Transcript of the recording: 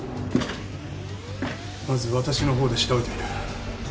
まず私のほうで調べてみる。